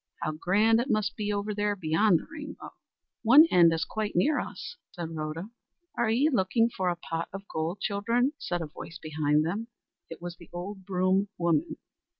How grand it must be over there beyond the rainbow." "One end is quite near us," said Rhoda. "Are ye looking for a pot of gold, children?" said a voice behind them. It was the old broom woman.